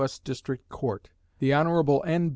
S. District Court. The Hon. N.